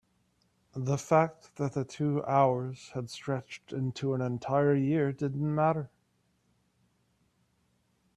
the fact that the two hours had stretched into an entire year didn't matter.